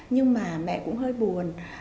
nhưng mà mẹ cũng hơi buồn